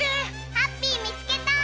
ハッピーみつけた！